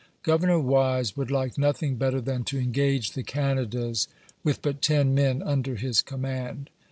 Governor Wise would like nothing better than to engage the Canadas, with but ten men under his command.